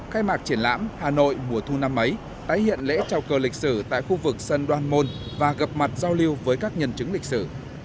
khai mạc triển lãm hà nội mùa thu năm ấy tái hiện lễ trao cờ lịch sử tại khu vực sân đoan môn và gặp mặt giao lưu với các nhân chứng lịch sử